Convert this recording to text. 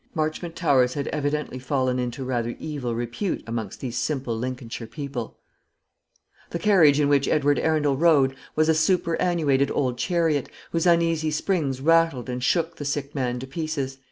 Marchmont Towers had evidently fallen into rather evil repute amongst these simple Lincolnshire people. The carriage in which Edward Arundel rode was a superannuated old chariot, whose uneasy springs rattled and shook the sick man to pieces.